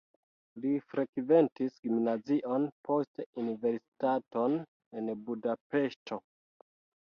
Li frekventis gimnazion, poste universitaton en Budapeŝto.